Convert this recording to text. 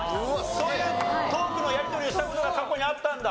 そういうトークのやりとりをした事が過去にあったんだ。